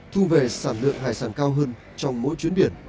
thu về sản lượng hải sản cao hơn trong mỗi chuyến biển